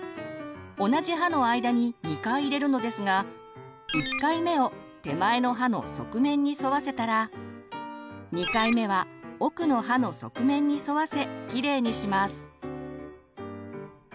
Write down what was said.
同じ歯の間に２回入れるのですが１回目を手前の歯の側面に沿わせたら２回目は奥の歯の側面に沿わせきれいにします。